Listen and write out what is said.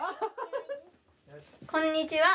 こんにちは。